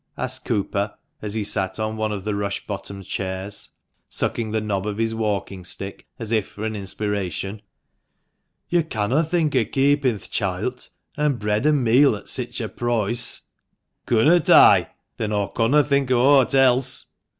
asked Cooper, as he sat on one of the rush bottomed chairs, sucking the knob of his walking stick, as if for an inspiration. "Yo canno' think o' keeping th' choilt, an' bread an' meal at sich a proice !"" Connot oi ? Then aw conno' think o1 aught else.